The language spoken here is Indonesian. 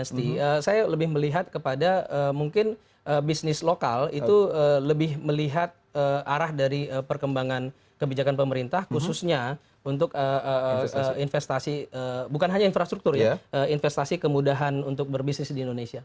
saya lebih melihat kepada mungkin bisnis lokal itu lebih melihat arah dari perkembangan kebijakan pemerintah khususnya untuk investasi bukan hanya infrastruktur ya investasi kemudahan untuk berbisnis di indonesia